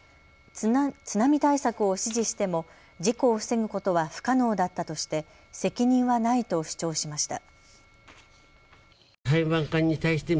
津波対策を指示しても事故を防ぐことは不可能だったとして責任はないと主張しました。